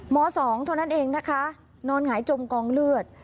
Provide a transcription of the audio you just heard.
มสองตอนนั้นเองนะคะนอนหายจมกองเลือด